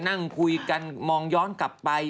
นั่งคุยกันมองย้อนกลับไป